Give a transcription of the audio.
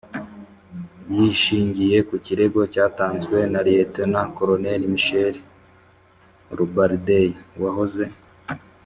gishingiye ku kirego cyatanzwe na Lieutenant Colonel Michel Robarday wahoze